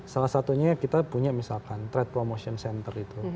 salah satunya kita punya misalkan trade promotion center itu